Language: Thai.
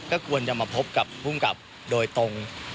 ก็ควรจะมาพบกับภูมิกับโดยตรง